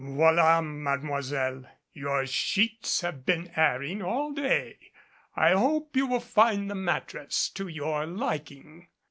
"Voila, Mademoiselle, your sheets have been airing all day. I hope you will find the mattress to your liking."